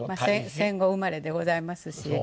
戦後生まれでございますし。